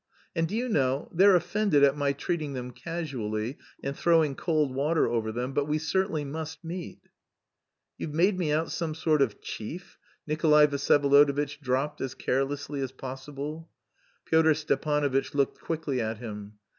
And do you know, they're offended at my treating them casually, and throwing cold water over them, but we certainly must meet." "You've made me out some sort of chief?" Nikolay Vsyevolodovitch dropped as carelessly as possible. Pyotr Stepanovitch looked quickly at him.